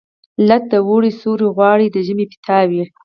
لټ د اوړي سیوري غواړي، د ژمي پیتاوي.